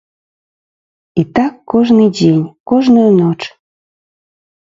І так кожны дзень, кожную ноч.